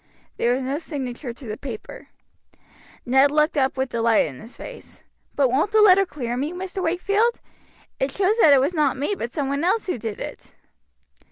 There was no signature to the paper. Ned looked up with delight in his face. "But won't the letter clear me, Mr. Wakefield? It shows that it was not me, but some one else who did it."